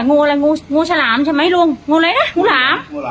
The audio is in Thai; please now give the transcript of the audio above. งูอะไรงูงูฉลามใช่ไหมลุงงูอะไรนะงูหลาม